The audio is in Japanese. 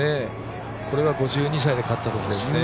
これは５２歳で勝ったときですね。